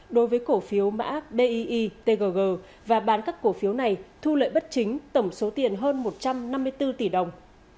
đối với cổ phiếu mã bi tg và bán các cổ phiếu này thu lợi bất chính tổng số tiền hơn một trăm năm mươi bốn tỷ đồng